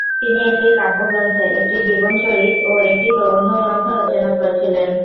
তিনি একটি কাব্যগ্রন্থ, একটি জীবনচরিত ও একটি প্রবন্ধগ্রন্থ রচনা করেছিলেন।